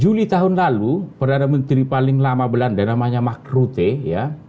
juli tahun lalu perdana menteri paling lama belanda namanya makrute ya